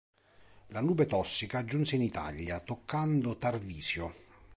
La nube tossica giunse in Italia, toccando Tarvisio.